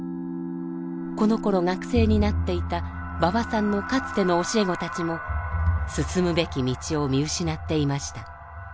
このころ学生になっていた馬場さんのかつての教え子たちも進むべき道を見失っていました。